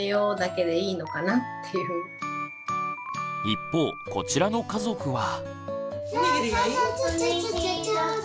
一方こちらの家族は。